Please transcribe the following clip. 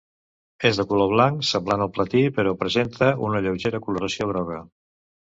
És de color blanc, semblant al platí, però presenta una lleugera coloració groga.